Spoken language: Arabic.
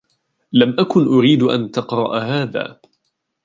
لم أكن أريد أن تقرأ هذا.